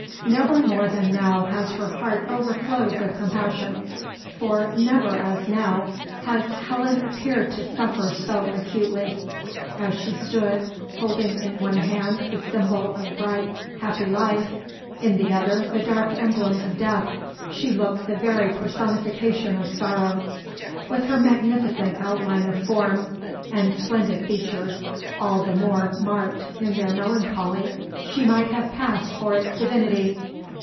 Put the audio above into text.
Never more than now has her heart overflowed with compassion, for never as now has Helen appeared to suffer so acutely. As she stood, holding in one hand the symbol of bright happy life, in the other the dark emblem of death, she looked the very personification of sorrow. With her magnificent outline of form, and splendid features, all the more marked in their melancholy, she might have passed for its divinity.